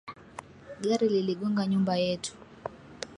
Gari liligonga nyumba yetu